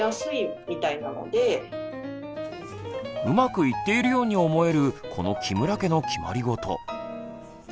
うまくいっているように思えるこの木村家の決まりごと。